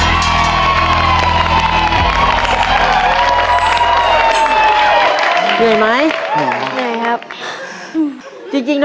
ตัวเลือดที่๒นกฟรามิงโก